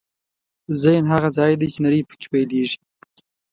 ذهن هغه ځای دی چې نړۍ پکې پیلېږي.